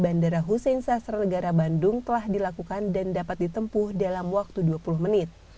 bandara husinsa sernegara bandung telah dilakukan dan dapat ditempuh dalam waktu dua puluh menit